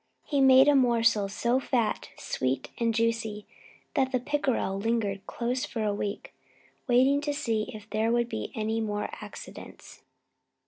He made a morsel so fat, sweet, and juicy that the pickerel lingered close for a week, waiting to see if there would be any more accidents.